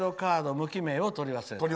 無記名をとり忘れた。